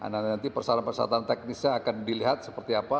dan nanti persoalan persoalan teknisnya akan dilihat seperti apa